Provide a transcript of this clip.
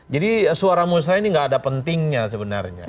jadi suara musrah ini gak ada pentingnya sebenarnya